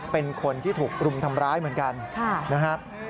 เป็นคนที่ถูกรุมทำร้ายเหมือนกันนะครับ